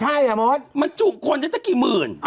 ใช่ไหมเรามันมีทุกคนใดเท่ากี่หมื่น